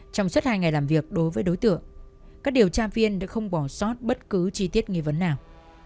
trong suốt hai ngày làm việc đối với đối tượng các điều tra viên đã không bỏ sót bất cứ chi tiết nghi vấn nào